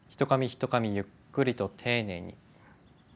ひとかみゆっくりと丁寧に。